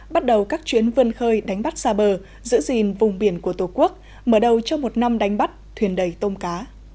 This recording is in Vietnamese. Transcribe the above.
bắt đầu các chuyến vân khơi đánh bắt xa bờ giữ gìn vùng biển của tổ quốc mở đầu cho một năm đánh bắt thuyền đầy tôm cá